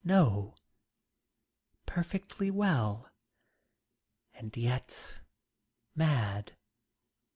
No, perfectly well, and yet mad.